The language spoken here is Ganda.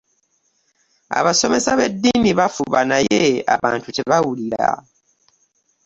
Abasomesa b'eddiini bafuba naye abantu tebawulira.